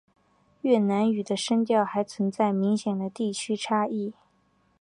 越南语的声调还存在明显的地区差异。